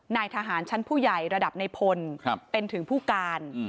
นายทหารชั้นผู้ใหญ่ระดับในพลเป็นถึงผู้การ